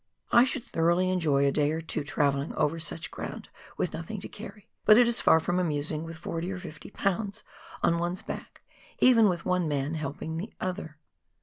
I should thoroughly enjoy a day or two travelling over such ground with nothing to carry, but it is far from amusing with forty or fifty poimds on one's back, even with one man helping the other.